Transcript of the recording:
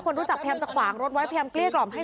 รู้จักพยายามจะขวางรถไว้พยายามเกลี้ยกล่อมให้